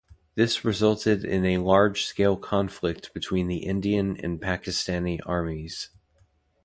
This resulted in a large-scale conflict between the Indian and Pakistani armies.